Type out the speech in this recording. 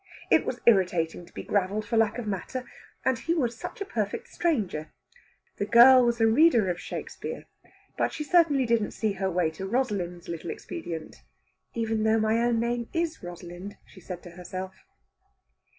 It was irritating to be gravelled for lack of matter and he was such a perfect stranger! The girl was a reader of Shakespeare, but she certainly didn't see her way to Rosalind's little expedient. "Even though my own name is Rosalind," said she to herself.